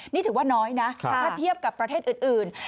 นี่ถือว่าน้อยนะถ้าเทียบกับประเทศอื่น